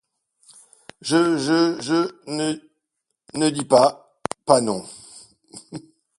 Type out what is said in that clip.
Je, je, je ne, ne dis pa, pas non.